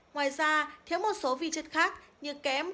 ngoài ra thiếu một số vi chất khác như kém